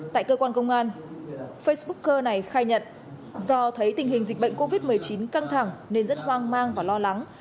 tại cơ quan công an facebook cơ này khai nhận do thấy tình hình dịch bệnh covid một mươi chín căng thẳng nên rất hoang mang và lo lắng